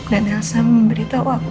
dan elsa memberitahu aku